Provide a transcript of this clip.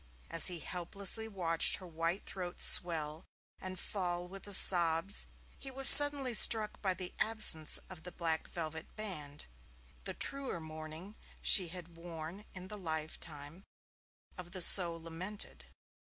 As he helplessly watched her white throat swell and fall with the sobs, he was suddenly struck by the absence of the black velvet band the truer mourning she had worn in the lifetime of the so lamented.